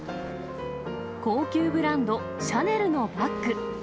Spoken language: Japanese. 高級ブランド、シャネルのバッグ。